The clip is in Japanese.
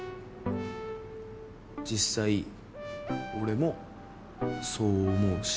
実際俺もそう思うし。